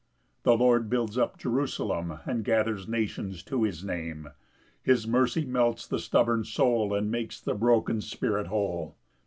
2 The Lord builds up Jerusalem, And gathers nations to his Name: His mercy melts the stubborn soul, And makes the broken spirit whole.